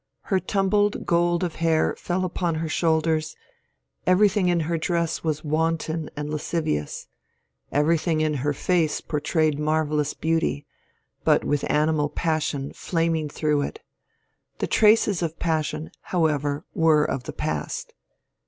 Her tumbled gold of hair fell upon her shoulders, everything in her dress was wanton and lascivious, everything in her face portrayed marvellous beauty, but with animal passion flaming through it. The traces of the passion, however, were of the past.